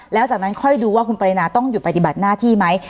แล้วจากนั้นค่อยดูว่าคุณปรินาต้องหยุดปฏิบัติหน้าที่ไหม